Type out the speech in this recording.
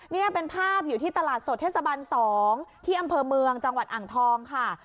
นี่เป็นภาพอยู่ที่ตลาดสดเทศบัน๒ที่อำเภอเมืองจังหวัดอ่างทองค่ะ